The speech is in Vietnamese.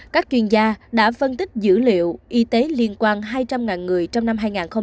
các chuyên gia đã phân tích dữ liệu y tế liên quan hai trăm linh người trong năm hai nghìn hai mươi